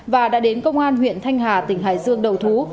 và đã đến công an huyện thanh hà tỉnh hải dương đầu thú